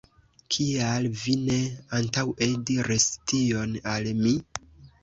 Kial vi ne antaŭe diris tion al mi?